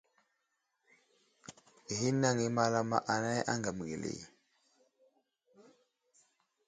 Ghinaŋ i malama anay aŋgam geli.